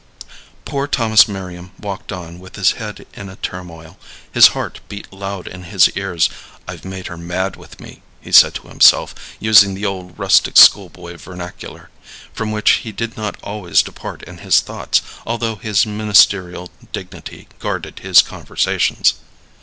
Poor Thomas Merriam walked on with his head in a turmoil. His heart beat loud in his ears. "I've made her mad with me," he said to himself, using the old rustic school boy vernacular, from which he did not always depart in his thoughts, although his ministerial dignity guarded his conversations.